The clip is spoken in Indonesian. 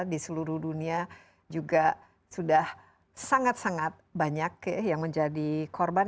di seluruh dunia juga sudah sangat sangat banyak yang menjadi korban